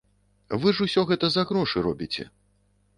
Вы ж усё гэта за грошы робіце.